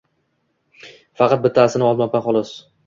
Faqat bittasi olmabdi xolos